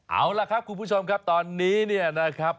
เอาล่ะครับคุณผู้ชมครับตอนนี้เนี่ยนะครับ